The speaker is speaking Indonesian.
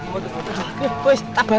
kau dapet apa